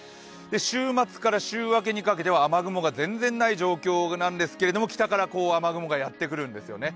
週末から週明けにかけては雨雲が全然ない状況なんですが、北から雨雲がやってくるんですよね。